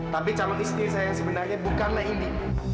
tapi calon istri saya sebenarnya bukanlah ini